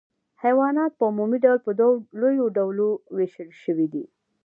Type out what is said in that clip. حیوانات په عمومي ډول په دوو لویو ډلو ویشل شوي دي